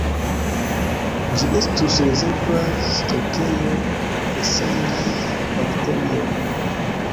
Ĝi estus rezerva stokejo de sanaj bakterioj.